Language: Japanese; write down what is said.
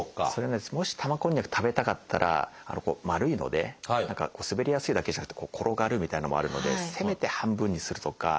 もし玉こんにゃく食べたかったら丸いので何か滑りやすいだけじゃなくて転がるみたいなのもあるのでせめて半分にするとか。